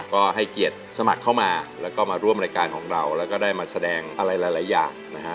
ก็ให้เกียรติสมัครเข้ามาแล้วก็มาร่วมรายการของเราแล้วก็ได้มาแสดงอะไรหลายอย่างนะฮะ